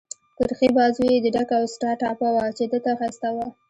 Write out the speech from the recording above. پر ښي بازو يې د ډک اوسټا ټاپه وه، چې ده ته ښایسته وه.